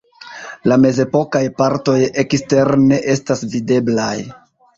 La mezepokaj partoj ekstere ne estas videblaj.